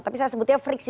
tapi saya sebutnya friksi